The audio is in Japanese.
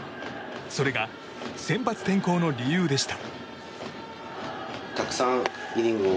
それが先発転向の理由でした。